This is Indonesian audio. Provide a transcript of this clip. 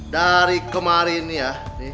dari kemarin ya